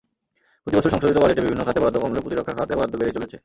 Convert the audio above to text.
প্রতিবছর সংশোধিত বাজেটে বিভিন্ন খাতে বরাদ্দ কমলেও প্রতিরক্ষা খাতে বরাদ্দ বেড়েই চলেছে।